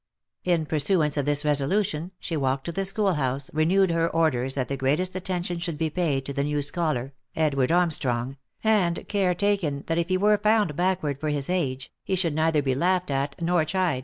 In pursuance of this resolution, she walked to the school house, renewed her orders that the greatest attention should be paid to the new scholar, Edward Armstrong, and care taken that if he were found back ward for his age, he should neither be laughed at nor chid.